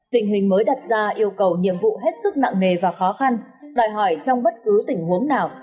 tình hình mới đặt ra yêu cầu nhiệm vụ hết sức nặng nề và khó khăn đòi hỏi trong bất cứ tình huống nào